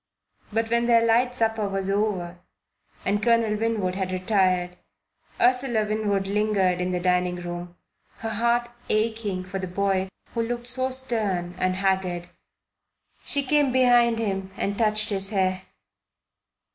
But when their light supper was over and Colonel Winwood had retired, Ursula Winwood lingered in the dining room, her heart aching for the boy who looked so stern and haggard. She came behind him and touched his hair.